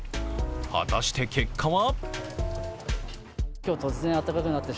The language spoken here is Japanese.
果たして結果は？